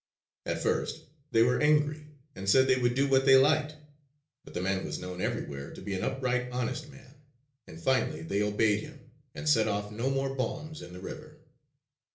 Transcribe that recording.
At first they were angry and said they would do what they liked. But the man was known everywhere to be an upright, honest man, and finally they obeyed him and set off no more bombs in the river.